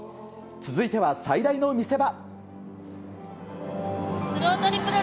続いては最大の見せ場。